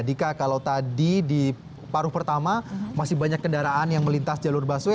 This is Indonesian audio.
dika kalau tadi di paruh pertama masih banyak kendaraan yang melintas jalur busway